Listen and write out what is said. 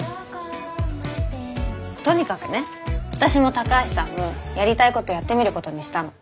とにかくね私も高橋さんもやりたいことやってみることにしたの。